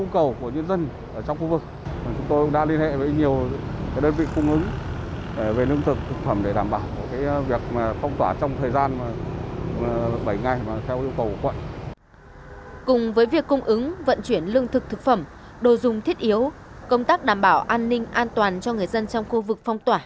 cùng với việc cung ứng vận chuyển lương thực thực phẩm đồ dùng thiết yếu công tác đảm bảo an ninh an toàn cho người dân trong khu vực phòng tỏa